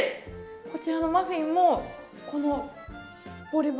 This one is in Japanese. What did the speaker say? こちらのマフィンもこのポリ袋。